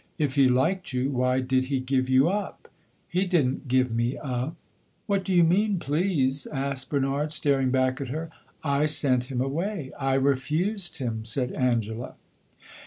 "If he liked you, why did he give you up?" "He did n't give me up." "What do you mean, please?" asked Bernard, staring back at her. "I sent him away I refused him," said Angela.